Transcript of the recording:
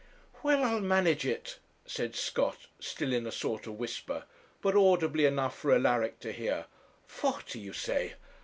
'Well, I'll manage it,' said Scott, still in a sort of whisper, but audibly enough for Alaric to hear. 'Forty, you say?